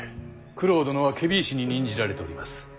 九郎殿は検非違使に任じられております。